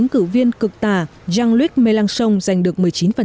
lực tà jean luc mélenchon giành được một mươi chín